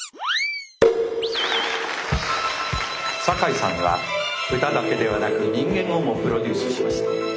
酒井さんは歌だけではなく人間をもプロデュースしました。